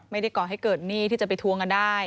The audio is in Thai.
ก่อให้เกิดหนี้ที่จะไปทวงกันได้